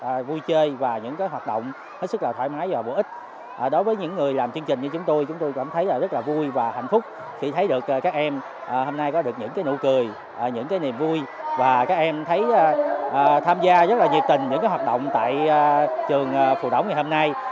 tham gia vui chơi và những hoạt động rất thoải mái và bổ ích đối với những người làm chương trình như chúng tôi chúng tôi cảm thấy rất vui và hạnh phúc khi thấy các em hôm nay có được những nụ cười những niềm vui và các em thấy tham gia rất nhiệt tình những hoạt động tại trường phù động ngày hôm nay